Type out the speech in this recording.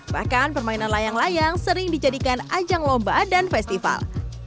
bahkan permainan layang layang sering dijadikan ajang lomba dan festival